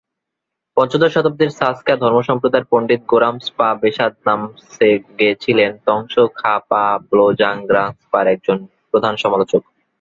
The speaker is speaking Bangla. পঞ্চদশ শতাব্দীর সা-স্ক্যা ধর্মসম্প্রদায়ের পণ্ডিত গো-রাম্স-পা-ব্সোদ-নাম্স-সেং-গে ছিলেন ত্সোং-খা-পা-ব্লো-ব্জাং-গ্রাগ্স-পার একজন প্রধান সমালোচক।